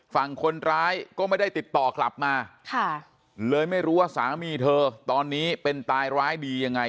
ฝั่งคนร้ายก็ไม่ได้ติดต่อกลับมาเลยไม่รู้ว่าสามีเธอตอนนี้เป็นตายร้ายดียังไง